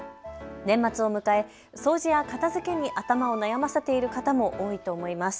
年末を迎え、掃除や片づけに頭を悩ませている方も多いと思います。